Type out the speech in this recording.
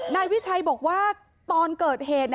นายวิชัยบอกว่าตอนเกิดเหตุ